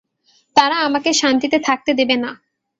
তারা আমাকে শান্তিতে থাকতে দেবে না।